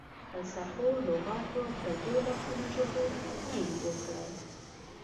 فلسفو، لغاتو او پردو لفظونو ژبو نه یم پوه کړی.